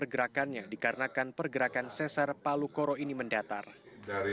ya kita bandingkan dengan sesar sumatera